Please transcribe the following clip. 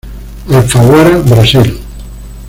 Alfaguara Brasil.